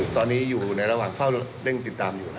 ตอนนี้อยู่ในระหว่างเฝ้าเร่งติดตามอยู่